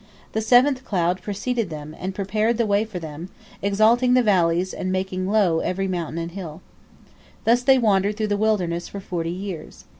The seventh cloud preceded them, and prepared the way for them, exalting the valleys and making low every mountain and hill. Thus they wandered through the wilderness for forty years.